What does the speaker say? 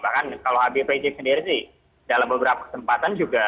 bahkan kalau habib ridzis sendiri dalam beberapa kesempatan juga